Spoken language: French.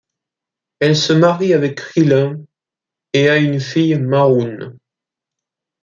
Elle se marie avec Krilin et a une fille Marron.